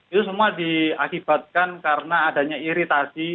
itu semua diakibatkan karena adanya iritasi